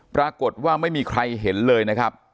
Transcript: ปรากฏว่าไม่มีใครเห็นเลยนะครับ